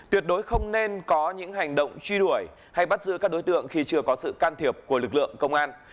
tuyệt đối không nên có những hành động truy đuổi hay bắt giữ các đối tượng khi chưa có sự can thiệp của lực lượng công an